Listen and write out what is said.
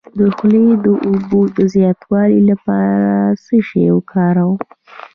د خولې د اوبو د زیاتوالي لپاره څه شی وکاروم؟